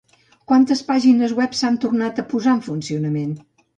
Quantes pàgines web s'han tornat a posar en funcionament?